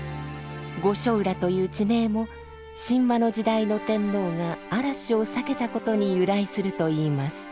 御所浦という地名も神話の時代の天皇が嵐を避けたことに由来するといいます。